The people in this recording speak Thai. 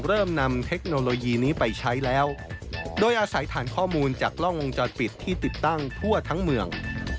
เริ่มนำเทคโนโลยีนี้ไปใช้แล้วโดยอาศัยฐานข้อมูลจากกล้องวงจรปิดที่ติดตั้งทั่วทั้งเมือง